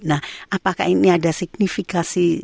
nah apakah ini ada signifikansi